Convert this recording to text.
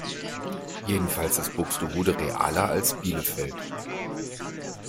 Jedenfalls ist Buxtehude realer als Bielefeld.